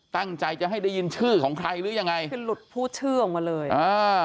ตั้งใจจะให้ได้ยินชื่อของใครหรือยังไงคือหลุดพูดชื่อออกมาเลยอ่า